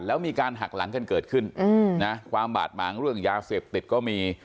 แล้วมีการหักหลังกันเกิดขึ้นนะความบาดหมางเรื่องยาเสพติดก็มี